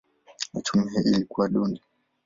Uchumi ilikuwa duni.